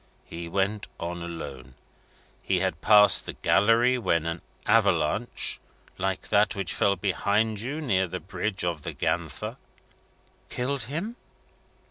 "He went on alone. He had passed the gallery when an avalanche like that which fell behind you near the Bridge of the Ganther " "Killed him?"